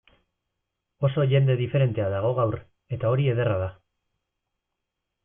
Oso jende diferentea dago gaur, eta hori ederra da.